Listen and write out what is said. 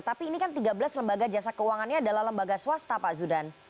tapi ini kan tiga belas lembaga jasa keuangannya adalah lembaga swasta pak zudan